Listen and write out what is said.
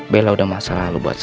bela udah masa lalu buat saya